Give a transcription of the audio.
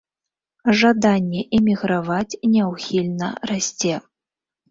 Жаданне эміграваць няўхільна расце.